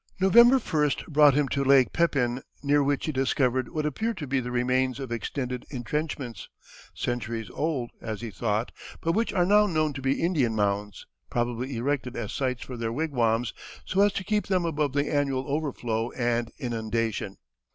November 1st brought him to Lake Pepin, near which he discovered what appeared to be the remains of extended intrenchments, centuries old, as he thought, but which are now known to be Indian mounds, probably erected as sites for their wigwams, so as to keep them above the annual overflow and inundation.